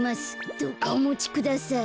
どうかおもちください。